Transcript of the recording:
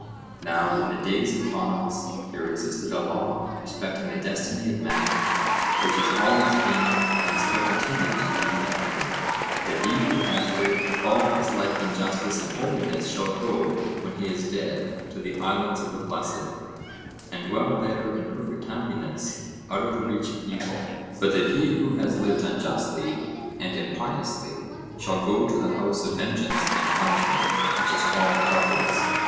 Now in the days of Cronos there existed a law respecting the destiny of man, which has always been, and still continues to be in Heaven,—that he who has lived all his life in justice and holiness shall go, when he is dead, to the Islands of the Blessed, and dwell there in perfect happiness out of the reach of evil; but that he who has lived unjustly and impiously shall go to the house of vengeance and punishment, which is called Tartarus.